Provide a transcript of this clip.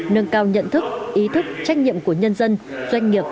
nâng cao nhận thức ý thức trách nhiệm của nhân dân doanh nghiệp